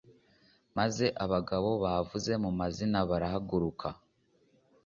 Maze abagabo bavuze mu mazina barahaguruka